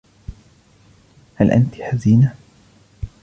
هل أنتِ حزينة ؟